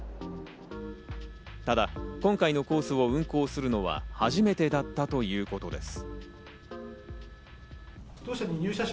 ただ今回のコースを運行するのは初めてだったということです。